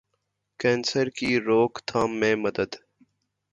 کینسرکی روک تھام میں مدد